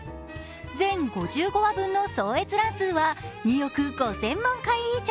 全５５話分の総閲覧数は２億５０００万回以上。